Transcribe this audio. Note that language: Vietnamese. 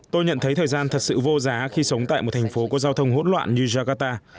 tôi nhận thấy thời gian thật sự vô giá khi sống tại một thành phố có giao thông hỗn loạn như jakarta